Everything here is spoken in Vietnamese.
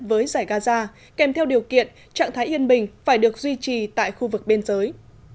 với giải gaza kèm theo điều kiện trạng thái yên bình phải được duy trì tại khu vực biên giới